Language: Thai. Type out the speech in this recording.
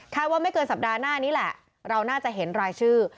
ว่าไม่เกินสัปดาห์หน้านี้แหละเราน่าจะเห็นรายชื่อ